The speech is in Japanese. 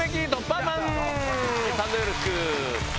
サンドよろしく！